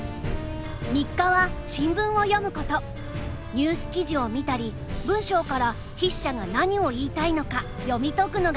ニュース記事を見たり文章から筆者が何を言いたいのか読み解くのが楽しいんだって。